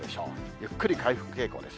ゆっくり回復傾向です。